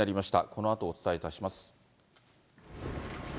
このあとお伝えいたします。